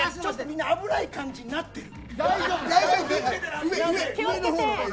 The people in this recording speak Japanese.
みんな危ない感じになってる。